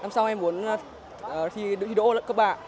năm sau em muốn thí độ cấp ba